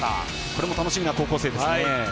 これも楽しみな高校生ですね。